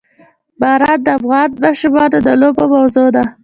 باران د افغان ماشومانو د لوبو موضوع ده.